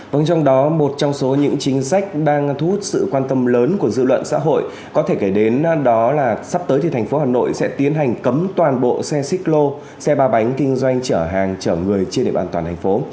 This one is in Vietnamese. vâng trong đó một trong số những chính sách đang thu hút sự quan tâm lớn của dư luận xã hội có thể kể đến đó là sắp tới thì thành phố hà nội sẽ tiến hành cấm toàn bộ xe xích lô xe ba bánh kinh doanh chở hàng chở người trên địa bàn toàn thành phố